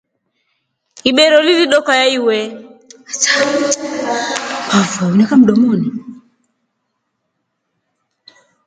Ibero lilidookaya iwe.